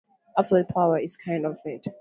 Absolute power is kind of neat.